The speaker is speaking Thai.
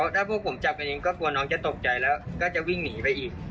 ถ้าพวกผมจับกันเองก็กลัวน้องจะตกใจแล้วก็จะวิ่งหนีไปอีก